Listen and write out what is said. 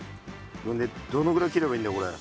どのぐらい切ればいいんだこれ。